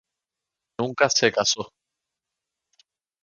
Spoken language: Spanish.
Nunca se casó.